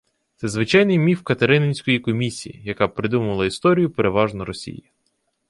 Це звичайний міф катерининської «Комісії», яка «придумувала історію, переважно Росії»